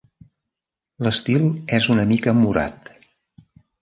L'estil és una mica morat.